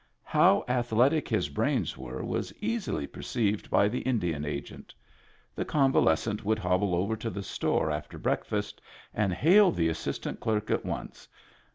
How athletic his brains were was easily perceived by the Indian Agent. The convalescent would hobble over to the store after breakfast and hail the assistant clerk at once.